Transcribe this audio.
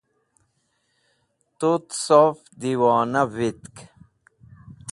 tut sof dewona witk